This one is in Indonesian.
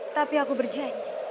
tapi aku berjanji